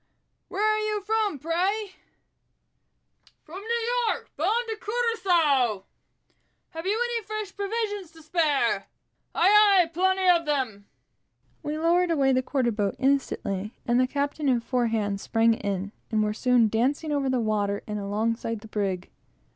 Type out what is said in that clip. "Where are you from, pray?" "From New York, bound to Curaçoa." "Have you any fresh provisions to spare?" "Aye, aye! plenty of them!" We lowered away the quarter boat, instantly; and the captain and four hands sprang in, and were soon dancing over the water, and alongside the brig.